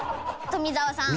富澤さん。